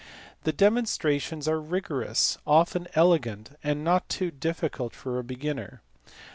The demonstrations are rigorous, often elegant, and not too difficult for a beginner.